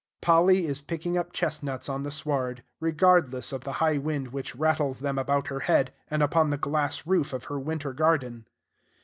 Polly is picking up chestnuts on the sward, regardless of the high wind which rattles them about her head and upon the glass roof of her winter garden.